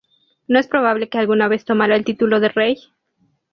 No es probable que alguna vez tomara el título de rey.